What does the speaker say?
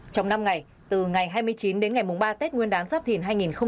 trong năm ngày từ ngày hai mươi chín đến ngày ba tết nguyên đáng giáp thìn hai nghìn hai mươi bốn